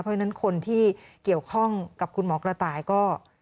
เพราะฉะนั้นคนที่เกี่ยวข้องกับคุณหมอกระต่ายก็